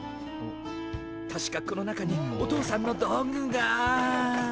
確かこの中にお父さんの道具が。